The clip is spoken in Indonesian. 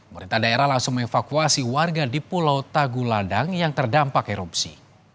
merintah daerah langsung mengevakuasi warga di pulau taguladang yang terdampak erupsi